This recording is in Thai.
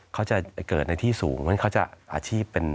เขาจะเกิดในที่สูงเพราะฉะนั้นเขาจะอาชีพเป็น